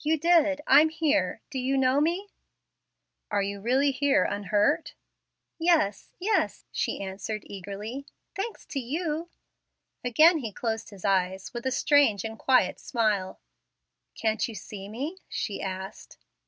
"You did. I'm here. Don't you know me?" "Are you really here unhurt?" "Yes, yes," she answered, eagerly; "thanks to you." Again he closed his eyes with a strange and quiet smile. "Can't you see me?" she asked.